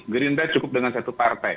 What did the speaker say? gerindra cukup dengan satu partai